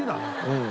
うん。